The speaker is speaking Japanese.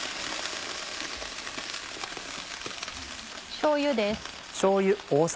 しょうゆです。